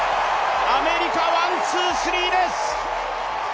アメリカ、ワン、ツー、スリーです。